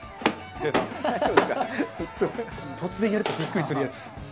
突然やるとビックリするやつ。